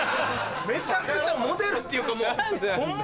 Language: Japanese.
めちゃくちゃモデルっていうかもう本物。